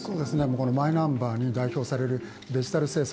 このマイナンバーに代表されるデジタル政策。